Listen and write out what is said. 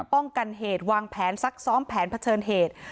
ป้องกันเหตุวางแผนซักซ้อมแผนเผชิญเหตุ